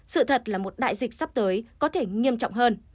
sự thật là một đại dịch sắp tới có thể nghiêm trọng hơn